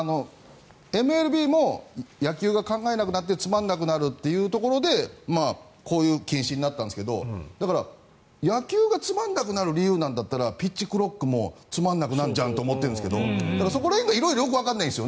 ＭＬＢも野球が考えなくなってつまらなくなるっていうところでこういう禁止になったんですが野球がつまらなくなる理由なんだったらピッチクロックもつまらなくなるじゃんって思うんですがそこら辺がよくわからないんです。